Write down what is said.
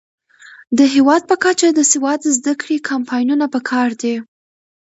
د هیواد په کچه د سواد زده کړې کمپاینونه پکار دي.